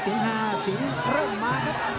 สิงฮาสิงเริ่มภายเลยครับ